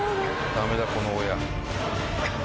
ダメだこの大家。